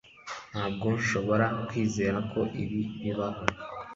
Ntabwo nshobora kwizera ko ibi bibaho